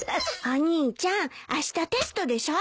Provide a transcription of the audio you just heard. お兄ちゃんあしたテストでしょ。